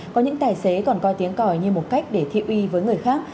có những tài xế còn coi tiếng còi như một cách để thiệu y với người khác